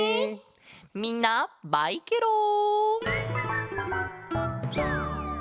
みんなバイケロン！